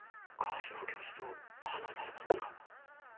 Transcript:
川島教授と話されたんですか？